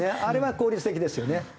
あれは効率的ですよね。